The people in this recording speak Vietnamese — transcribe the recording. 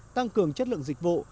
tăng cường chất lượng dịch vụ